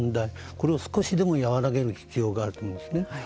これを少しでも和らげる必要があると思うんですね。